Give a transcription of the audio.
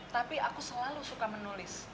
tapi aku selalu suka menulis